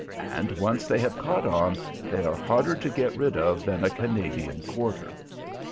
And once they have caught on, they are harder to get rid of than a Canadian "quarter."